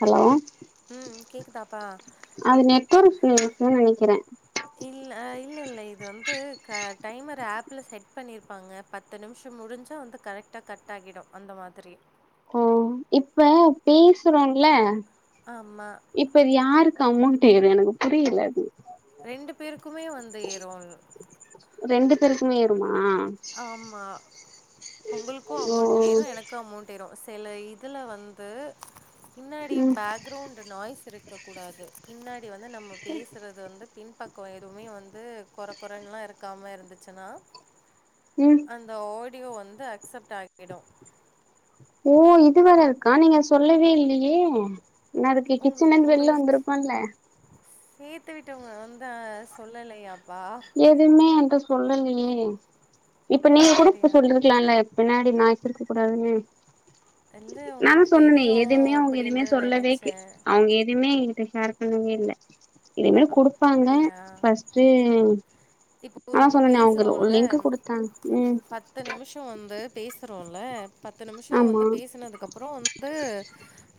Hello ம் கேக்குதாப்பா அது நெட்வொர்க் இருக்குன் நெனைக்கிற இல்ல இல்ல இல்ல இது வந்து க டைமர் ஆப்ல செட் பண்ணிருப்பாங்க பத்து நிம்சோ முடிஞ்சா வந்து கரெக்டா கட் ஆகிடு அந்த மாதிரி ஓ இப்ப பேசுறோல்ல ஆமா இப்ப இது யாருக்கு அமௌண்ட்டு ஏறு எனக்கு புரில அது ரெண்டு பேருக்குமே வந்து ஏறோன் ரெண்டு பேருக்குமே ஏறுமா ஆமா உங்களுக்கு ஓ அமௌண்ட் ஏறு எனக் கு அமோண்ட் ஏறு செல இதுல வந்து பின்னாடி ம் பேக் கிரௌண்டு நாய்ஸ் இருக்கக்கூடாது பின்னாடி வந்து நம்ம பேசுறது வந்து பின்பக்கம் எதுவுமே வந்து கொரக் கொரன்லா இருக்காம இருந்துச்சுன்னா ம் அந்த ஆடியோ வந்து அக்செப்ட் ஆகிடு ஓ இது வேர இருக்கா நீங்க சொல்லவே இல்லையே நா அதுக்கு கிச்சன்ல இந்து வெள்ல வந்துருபல்ல சேர்த்து விட்டவங்க வந்த சொல்லலையாப்பா எதுவுமே ஏண்ட சொல்லலையே இப்ப நீங்க கூட இப்ப அப்படியா சொல் ருக்லால பின்னாடி நாய்ஸ் இருக்க கூடாதுன்னு இல்ல நாதா உங்களுக்கு சொன்னனே தெரியு எதுமே அவுங்க எதுமே அப்படின்னு சொல்லவே கெ நெனைச்சே அவுங்க எதுவமே எங்கிட்ட ஷேர்ப் பண்ணவே இல்ல இது மேர் குடுப்பாங்க அப்படியா ஃபஸ்ட்டு இப்போ நா தா நம்ம சொன்னனே அவுங்க ஒரு பேசுறோல்ல லிங்க் குடுத்தாங் ம் பத்து நிம்ஷோ வந்து பேசுறோல பத்து நிம்ஷோ ஆமா வந்து பேசனதுக்கு அப்றோ வந்து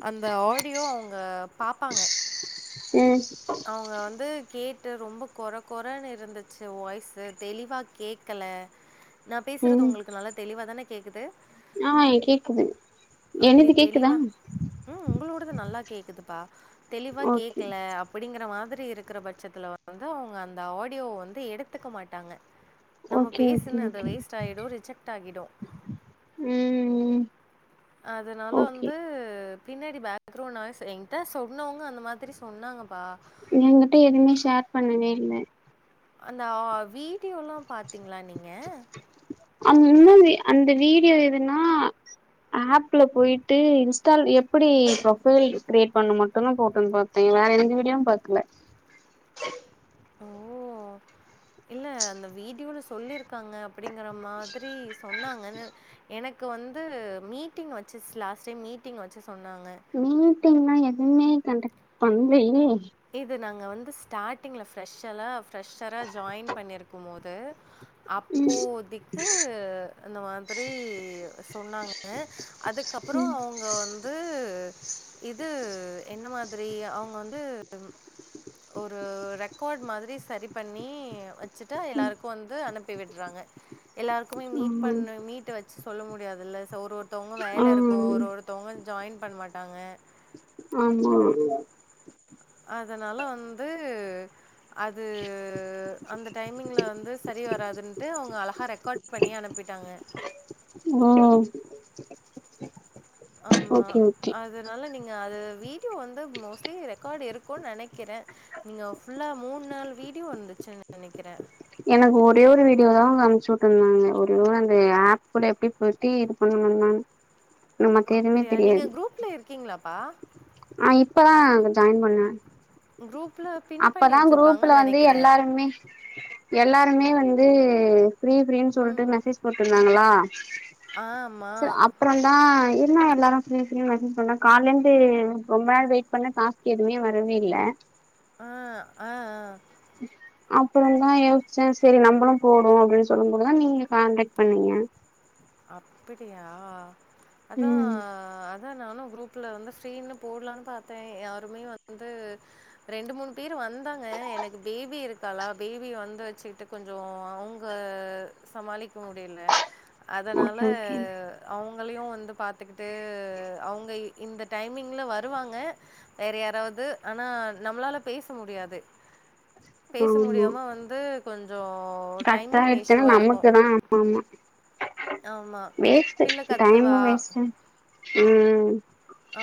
அந்த ஆடியோ அவுங்க பாப்பாங்க ம் அவுங்க வந்து கேட்டு ரொம்ப கொரக் கொரன்னு இருந்துச்சு வாய்ஸ்சு தெளிவா கேக்கல நா பேசுறது ம் உங்களுக்கு நல்லா தெளிவாதான கேக்குது ஆ கேக்குது அப்படி என்னது கேக்குதா தெளிவா ம் உங்களோடது நல்லா கேக்குதுப்பா தெளிவா ஓகே கேக்கல அப் அப்படிங்கற மாதிரி இருக்கற பட்சத்துல வந்து அவுங்க அந்த ஆடியோவ வந்து எடுத்துக்க மாட்டாங்க நம்ம ஓகே ஓகே பேசுனது ஓகே வேஸ்ட் ஆயிடும் ரிஜெக்ட் ஆகிடும் ம் ம் அதனால ஓகே வந்து பின்னாடி பேக்ரவுண்ட் நாய்ஸ் எங்கிட்ட சொன்னவங்க அந்த மாதிரி சொன்னாங்கப் பா எங்கிட்ட எதுமே ஷேர் பண்ணவே இல்ல அந்த ஆ வீடியோல்லா பாத்தீங்ளா நீங்க அவுங்க இன்னுமே அந்த வீடியோ எதுன்னா ஆப்ல போயிட்டு இன்ஸ்டால் எப்படி ப்ரொஃபைல் கிரியேட் பண்ணும் மட்டுந்தா போட்டு இருந்தது நா வேற எந்த வீடியோவும் பாக்குல ஓ இல்ல அந்த வீடியோல சொல்லியிருக்காங்க அப்டிங்கற மாதிரி சொன்னாங்கன்னு எனக் கு வந்து மீட்டிங் வச்சு லாஸ்ட் டைம் மீட்டிங் வச்சு சொன்னாங்க மீட்டிங்னா எதுமே கண்டக்ட் பண்லையே இது நாங்க வந்து ஸ்டார்ட்டிங்ல ஃப்ரெஷ்ல்லா ஃப்ரெஷ்சரா ஜாயின் பண்ணியிருக்கும் போது அப்போதிக்கு இந்த மாதிரி சொன்னாங்க அதுக்கப்புறம் அவுங் க வந்து இது என்ன மாதிரி அவங்க வந்து ம் ஒரு ரெக்கார்ட் மாதிரி சரி பண்ணி வச் சிட்டா எல்லாருக்கும் வந்து அனுப்பி விட்றாங்க எல்லாருக்குமே மீட் ம் பண்ண மீ ட் வச்சு சொல்ல முடியாதுல்ல சோ ஒரு ஒருத்தவங்க ஆ வேலை இருக்கும் ஒரு ஒருத்தவங்க ஜாயின் பண்ண மாட்டாங்க ஆமா அதனால வந்து அது அந்த டைமிங்கில்ல வந்து சரி வராதுன்ட்டு அவங்க அழகா ரெக்கார்ட் பண்ணி அனுப்பிட்டாங்க ம்மா அம்மா அது இதனால நீங்க அது வீடியோ வந்து மோஸ்ட்லி ரெக்கார்ட்டு இருக்கும்னு நெனைக்கிறே நீங்க ஃபுல்லா மூண் நாலு வீடியோ வந்துச்சுன்னு நெனைக்கிறே எனக்கு ஒரே ஒரு வீடியோ தா அவங்க அமிச்சு விட்டு இருந்தாங்க ஒரே ஒரு அந்த ஆப்குள்ள எப்டி போய்ட்டு இது பண்ணணும் நானு அப்டியா நீங்க குரூப்ல இருக்கீங்ளாப்பா ஆ இப்பதா ஜாயின் பண்ணே குரூப்ல பின் பண்ணி அப்பதா குரூப்ல வச்சிருப்பாங்கன்னு வந்து நெனைக்கிறேன். எல்லாருமே எல்லாருமே வந்து ஃப்ரீ ஃப்ரீன்னு சொல்ட்டு ம். மெசேஜ் போட்ருந்தாங்களா ஆமா. சரி அப்பறந்தா என்னா எல்லாரும் ஃப்ரீ ஃப்ரீன்னு மெசேஜ் பண்றாங் கால்ல இருந்து ரொம்ப நேரம் வெயிட் பண்ணே டாஸ்க் எதுமே வரவே இல்ல அ ஆ ஆ ஆ அப்பறந்தா யோசிச்சே சேரி நம்பளும் போடுவோ அப்டின்னு சொல்லும் போதுதா நீங்க கான்டக்ட் பண்ணீங்க அப்பிடியா அத்தா ம் அத்தா நானும் குரூப்ல வந்து ஃப்ரீன்னு போட்லான்னு பாத்தே யாருமே வந்து ரெண்டு மூணு பேர் வந்தாங்க எனக்கு பேபி இருக்காளா பேபி வந்து வச்சுகிட்டு கொஞ்சோ அவங்க சமாளிக்க முடியல அதனால ஓகே ஓகே அவங்களயு வந்து பாத்துக்கிட்டு அவ்ங்க இந்த டைமிங்கில வருவாங்க வேற யாராவது ஆனா நம்மளால பேச முடியாது பேச ஆமா முடியாம வந்து கொஞ்சோ கட் டைமிங் ஆயிடுச்சுன்னா இஷ்யூவா இருக்கு. நமக்கு தா ஆமா ஆமா. வேஸ்ட் பிள்ள டைமு கத்துவா. வேஸ்டு ம்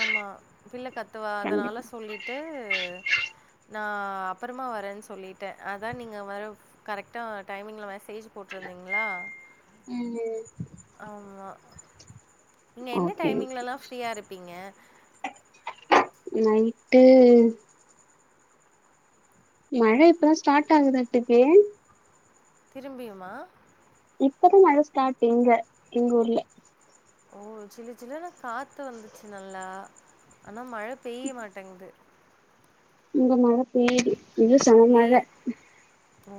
ஆமா பிள்ள கத்துவா அதனால கண்டிப்பா சொல்லிட்டு நா அப்பறமா வரேன்னு சொல்லிட்டே அதா நீங்க வர கரெக்டா டைமிங்கில மெசேஜ் போட்ருந்தீங்களா ம் ஆமா நீங்க என்ன ஓகே ஓகே டைமிங்லலா ஃப்ரீயா இருப்பீங்க நைட்டு மழ இப்பதா ஸ்டார்ட் ஆகுது ஆட்டுக்கே திரும்பியுமா இப்பதா மழ ஸ்டார்ட் இங்க எங்க ஊர்ல ஓ ஜிலு ஜிலுனு காத்து வந்துச்சு நல்லா ஆனா மழ பெய்ய மாட்டேங்குது இங்க மழ பெய்யுது இது செம லே மழ ஓ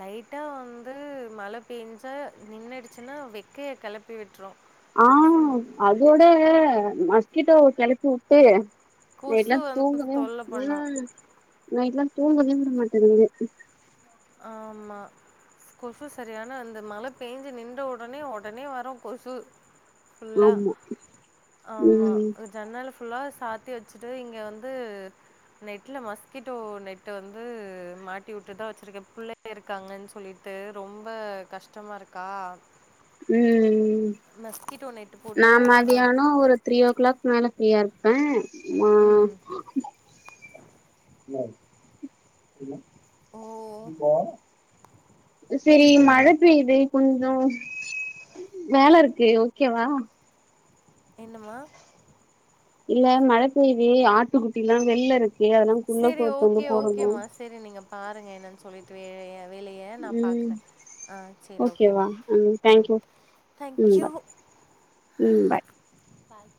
லைட்டா வந்து மழ பேஞ்சா நின்னுடுச்சன்னா வெக்கய கெளப்பி விட்டுரு ஆ அதோட மஸ்கிட்டோவ கெளப்பி வு ட்டு கொசு நைட்லா வந்து தூங்கவே ம் தொல்ல பண்ணும். நைட் எல்லா தூங்கவே விட மாட்டிங்குது ஆமா கொசு சரியான அந்த மழ பேஞ்சு நின்ற உடனே உடனே வரு கொசு ஃபுல்லா ஆமா ஆமா ம் ஜன்னல ஃபுல்லா சாத்தி வச்சுட்டு இங்க வந்து நெட்ல மஸ்கிட்டோ நெட்டு வந்து மாட்டி வுட்டு தா வச்சுருக்கே புள்ளைங்க இருக்காங்கனு சொல்லிட்டு ரொம்ப கஷ்டமா இருக்கா ம் மஸ்கிட்டோ நெட் போட்டு நா அ மதியானோ ஒரு த்ரீ ஓ கிளாக் மேல ஃப்ரீயா இருப்பே மா ம். ஓ [unintelligible] சரி மழ பெய்யுது கொஞ்சோ வேல இருக்கு ஓகேவா என்னமா இல்ல மழ பேயிது ஆட்டுக்குட்டிலா வெள்யில இருக்கு அதெல்லா குள்ள போய் கொண்டு போடணு செரி நீங்க பாருங்க என்னன்னு சொல்லிட்டு வேலயா வேலைய நா ம் பாக்குற ஆ செரி ஓகே மா ஓகேவா ம் தேங்க்யூ ம் தேங்க்யூ பாய் ம் பாய் பாய்